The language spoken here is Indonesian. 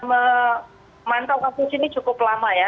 memantau kasus ini cukup lama ya